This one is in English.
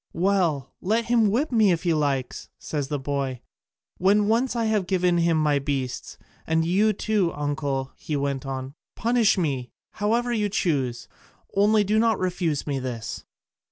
"Well, let him whip me if he likes," said the boy, "when once I have given him my beasts: and you too, uncle," he went on, "punish me however you choose, only do not refuse me this."